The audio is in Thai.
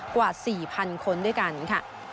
กว่า๔๐๐๐คนด้วยกันค่ะ